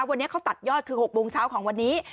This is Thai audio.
วันนี้เขาตัดยอดคือ๖โมงเช้าของวันนี้